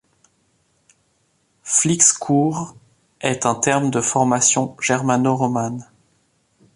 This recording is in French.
Flixecourt est un terme de formation germano-romane.